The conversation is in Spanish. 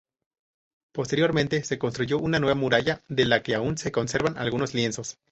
Posteriormente se construyó una nueva muralla de la que aún se conservan algunos lienzos.